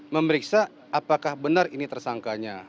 memeriksa apakah benar ini tersangkanya